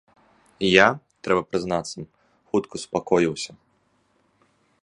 Я, трэба прызнацца, хутка супакоіўся.